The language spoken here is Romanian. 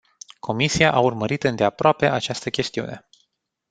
Comisia a urmărit îndeaproape această chestiune.